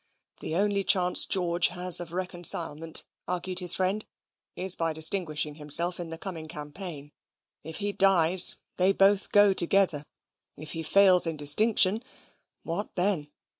"The only chance George has of reconcilement," argued his friend, "is by distinguishing himself in the coming campaign. If he dies they both go together. If he fails in distinction what then?